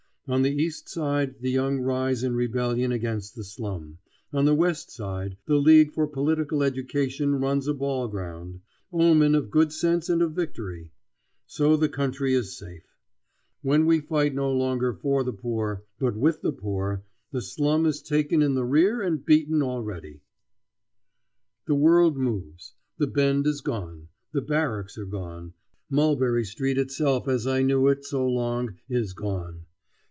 On the East Side the young rise in rebellion against the slum; on the West Side the League for Political Education runs a ball ground. Omen of good sense and of victory! So the country is safe. When we fight no longer for the poor, but with the poor, the slum is taken in the rear and beaten already. [Illustration: My Silver Bride.] The world moves. The Bend is gone; the Barracks are gone; Mulberry Street itself as I knew it so long is gone.